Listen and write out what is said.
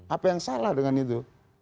apa yang salah dengan itu